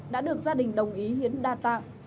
đã được gia đình đồng ý hiến đa tạng